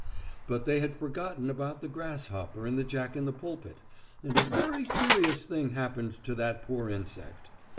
But they had forgotten about the grasshopper in the Jack in the Pulpit, and a very curious thing happened to that poor insect.